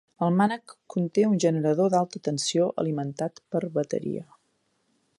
El mànec conté un generador d'alta tensió alimentat per bateria.